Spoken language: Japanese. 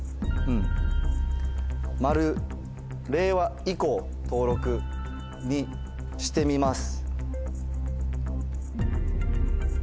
令和以降登録にしてみます。